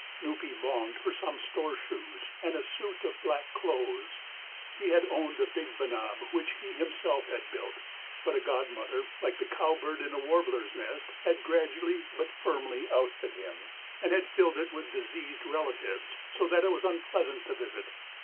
Nupee longed for some store shoes and a suit of black clothes. He had owned a big benab which he himself had built; but a godmother, like the cowbird in a warbler's nest, had gradually but firmly ousted him and had filled it with diseased relatives, so that it was unpleasant to visit.